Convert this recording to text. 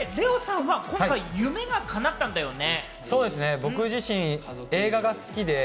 そしてＬＥＯさんは、今回、夢が叶ったんだよね。